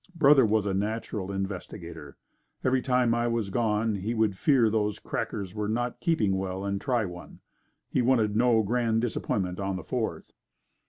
Brother was a natural investigator. Every time I was gone, he would fear those crackers were not keeping well and try one. He wanted no grand disappointment on the Fourth.